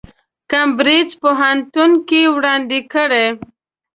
کمبریج پوهنتون کې وړاندې کړي.